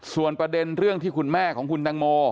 ส่วนประเด็นเรื่องที่คุณแม่ของคุณตังโม